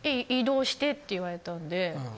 異動してって言われたんで。